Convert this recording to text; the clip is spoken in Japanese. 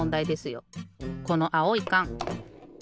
このあおいかん。